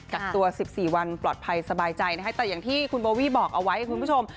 กักตัว๑๔วันปลอดภัยสบายใจนะคะแต่อย่างที่คุณโบวี่บอกเอาไว้คุณผู้ชม